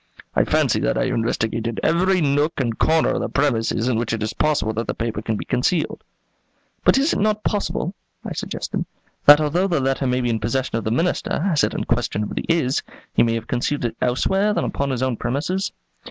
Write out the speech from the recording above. I fancy that I have investigated every nook and corner of the premises in which it is possible that the paper can be concealed." "But is it not possible," I suggested, "that although the letter may be in possession of the Minister, as it unquestionably is, he may have concealed it elsewhere than upon his own premises?"